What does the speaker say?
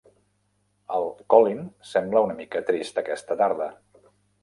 El Colin sembla una mica trist aquesta tarda